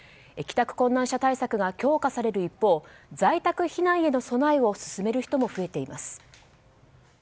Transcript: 帰宅困難者対策が強化される一方在宅避難への備えを進める人も増えています。